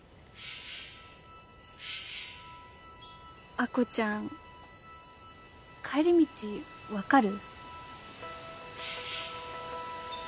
亜子ちゃん帰り道分かる？